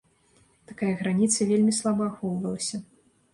Такая граніца вельмі слаба ахоўвалася.